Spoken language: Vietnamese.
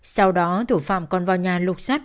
sau đó thủ phạm còn vào nhà lục xác